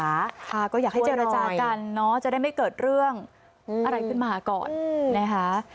ค่ะก็อยากให้เจรจากันเนอะจะได้ไม่เกิดเรื่องอะไรขึ้นมาก่อนนะคะ